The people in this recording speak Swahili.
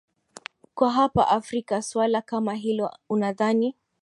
kwa hapa afrika suala kama hilo unadhani